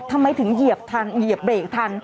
ทำไมถึงเหยียบทันเหยียบเบรกทัน